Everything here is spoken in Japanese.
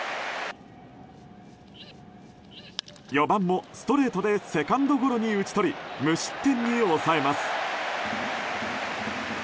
４番、もストレートでセカンドゴロに打ち取り無失点に抑えます。